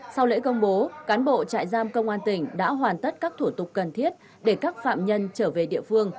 sau lễ công bố cán bộ trại giam công an tỉnh đã hoàn tất các thủ tục cần thiết để các phạm nhân trở về địa phương